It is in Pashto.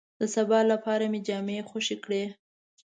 د سبا لپاره مې جامې خوې کړې.